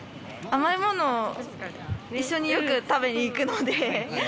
甘いものを一緒によく食べに行くので。